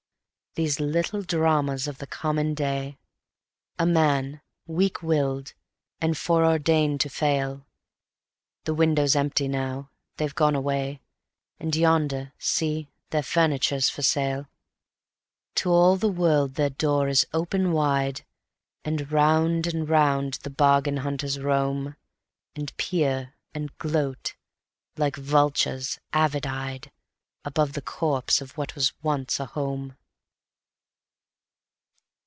These little dramas of the common day! A man weak willed and fore ordained to fail ... The window's empty now, they've gone away, And yonder, see, their furniture's for sale. To all the world their door is open wide, And round and round the bargain hunters roam, And peer and gloat, like vultures avid eyed, Above the corpse of what was once a home.